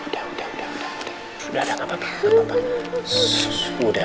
sudah sudah gak apa apa sudah sudah